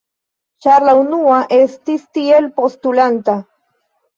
Ĉar la unua estis tiel postulanta.